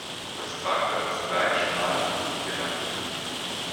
Das Tragblatt ist klein, schmal, nicht gelappt.